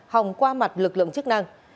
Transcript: hòng qua mặt lực lượng chức năng